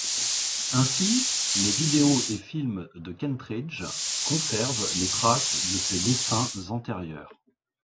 Ainsi, les vidéos et films de Kentridge conservent les traces de ses dessins antérieurs.